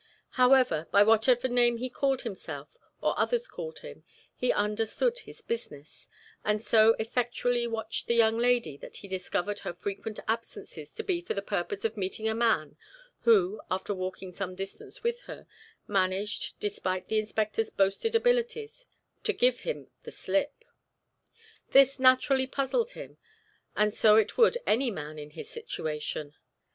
However, by whatever name he called himself, or others called him, he understood his business, and so effectually watched the young lady that he discovered her frequent absences to be for the purpose of meeting a man who, after walking some distance with her, managed, despite the inspector's boasted abilities, to give him the slip. This naturally puzzled him, and so it would any man in his situation.